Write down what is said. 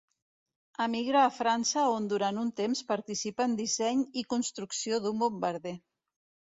Emigra a França on durant un temps participa en disseny i construcció d'un bombarder.